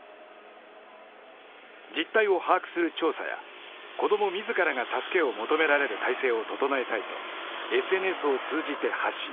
実態を把握する調査や子ども自らが助けを求められる体制を整えたいとＳＮＳを通じて発信。